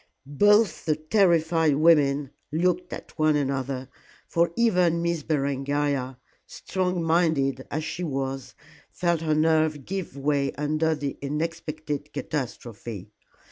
Both the terrified women looked at one another, for even Miss Berengaria, strong minded as she was, felt her nerve give way under this unexpected catastrophe.